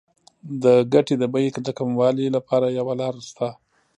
د ګټې د بیې د کموالي لپاره یوه لار شته